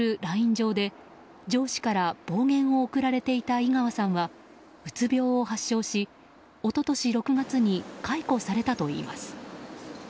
上で上司から暴言を送られていた井川さんは、うつ病を発症し一昨年６月に解雇されたといいます。